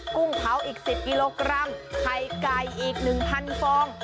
กุ้งเผาอีก๑๐กิโลกรัมไข่ไก่อีก๑๐๐ฟอง